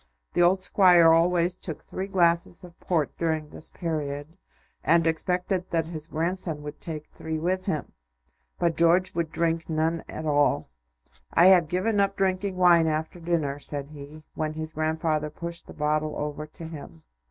The old Squire always took three glasses of port during this period, and expected that his grandson would take three with him. But George would drink none at all. "I have given up drinking wine after dinner," said he, when his grandfather pushed the bottle over to him.